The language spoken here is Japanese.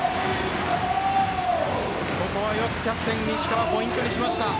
ここはよくキャプテン石川ポイントにしました。